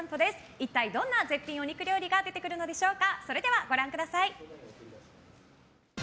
一体どんな絶品お肉料理が出てくるのでしょうか。